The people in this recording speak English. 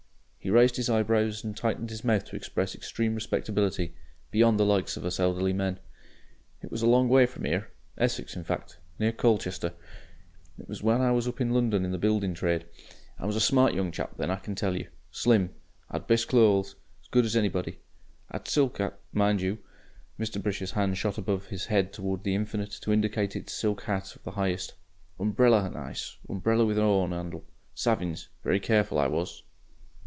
He raised his eyebrows and tightened his mouth to express extreme respectability beyond the likes of us elderly men. "It was a long way from 'ere. Essex, in fact. Near Colchester. It was when I was up in London in the buildin' trade. I was a smart young chap then, I can tell you. Slim. 'Ad best clo'es 's good as anybody. 'At SILK 'at, mind you." Mr. Brisher's hand shot above his head towards the infinite to indicate it silk hat of the highest. "Umbrella nice umbrella with a 'orn 'andle. Savin's. Very careful I was...."